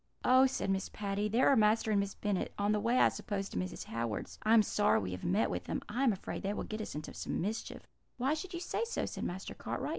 "'Oh!' said Miss Patty, 'there are Master and Miss Bennet on the way, I suppose, to Mrs. Howard's. I am sorry we have met with them; I am afraid they will get us into some mischief.' "'Why should you say so?' said Master Cartwright.